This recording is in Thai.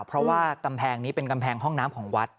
เพราะว่ากำแพงนี้เป็นกำแพงห้องน้ำของวัด